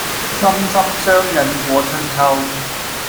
心心相印過春秋